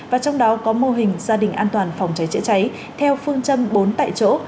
và trong đó có mô hình gia đình an toàn phòng cháy chữa cháy theo phương châm bốn tại chỗ